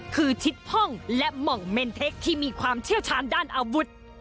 คือชิดพ่องและหม่องเมนเทคที่มีความเชี่ยวชาญด้านอาวุธ